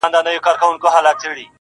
له دې غمه همېشه یمه پرېشانه.!